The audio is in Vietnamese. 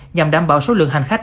nhằm đảm bảo số lượng hành khách